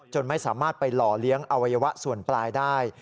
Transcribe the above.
ไม่สามารถไปหล่อเลี้ยงอวัยวะส่วนปลายได้